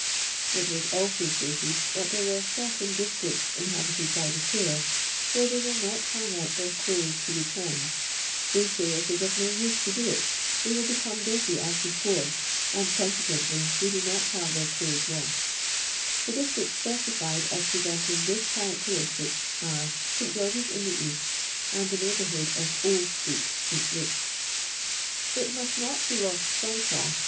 It wn.< also st ited that tlwre wero "certiiin dis tricts inlinbited hy the poor^ where they will not han<; out thuir clothes to bech aniKHl: they say it is of no use to do it, tiiiy will becomi? diity as hefore, ami consi'qnently they do not have tlioir clulhcs wa.*hrd." The ilistncts siu eitied .is presenting this chararti'ristii' an? St. (ieorir«'» in the Knst and the neigh honrh<iod of ()l«l street. St. Luke's. It nuist not be ]o.4t siu'ht of.